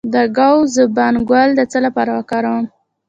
د ګاو زبان ګل د څه لپاره وکاروم؟